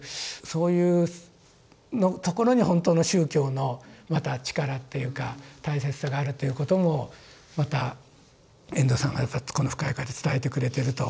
そういうところに本当の宗教のまた力っていうか大切さがあるということもまた遠藤さんがこの「深い河」で伝えてくれてると。